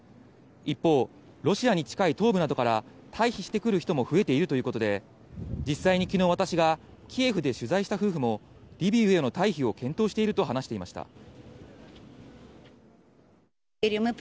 一方、ロシアに近い東部などから退避してくる人も増えているということで、実際にきのう私がキエフで取材した夫婦も、リビウへの退避を検討していると話していました。